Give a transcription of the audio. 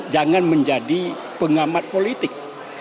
jangan menjadi pengamat politik